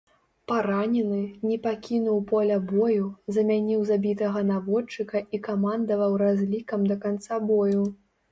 Паранены, не пакінуў поля бою, замяніў забітага наводчыка і камандаваў разлікам да канца бою.